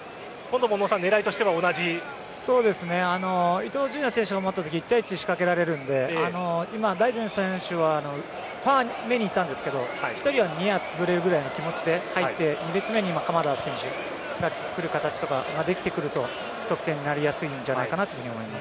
伊東純也選手が持ったとき一対一、仕掛けられるので大然選手はファーめに行ったんですが１人はニアつぶれるぐらいの気持ちで入って２列目に鎌田選手来る形とかができてくると得点になりやすいんじゃないかと思います。